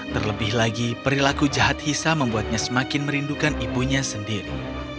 terlebih lagi perilaku jahat hisa membuatnya semakin merindukan ibunya sendiri